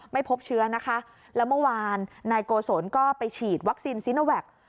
ไม่พบเชื้อนะคะแล้วเมื่อวานนายโกศลก็ไปฉีดวัคซีนซีโนแวค